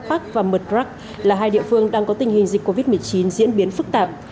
bắc và mật prak là hai địa phương đang có tình hình dịch covid một mươi chín diễn biến phức tạp